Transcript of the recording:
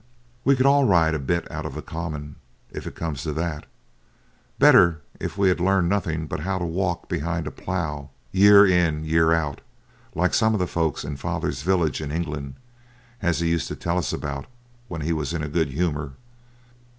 We could all ride a bit out of the common, if it comes to that. Better if we'd learned nothing but how to walk behind a plough, year in year out, like some of the folks in father's village in England, as he used to tell us about when he was in a good humour.